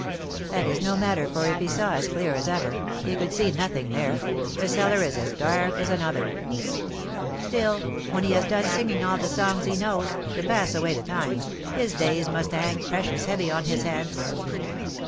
"That is no matter, for, if he saw as clear as ever, he could see nothing there; the cellar is as dark as an oven." "Still, when he has done singing all the songs he knows, to pass away the time, his days must hang precious heavy on his hands."